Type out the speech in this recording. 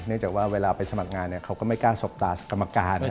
จากว่าเวลาไปสมัครงานเขาก็ไม่กล้าสบตากรรมการ